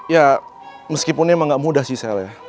ya meskipun emang gak mudah sih sel ya